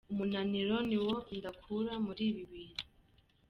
Umunaniro niwo ndakura muri ibi bintu